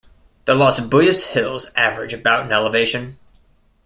The Los Buellis Hills average about in elevation.